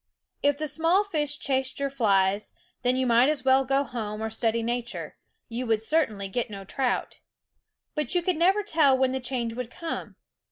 If the small fish chased your flies, then you might as well go home or study nature ; you would certainly get no trout. But you could never tell when the change would come.